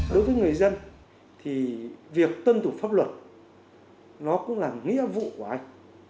đối với người dân thì việc tân tục pháp luật nó cũng là nghĩa vụ của anh